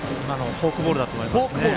フォークボールだと思いますね。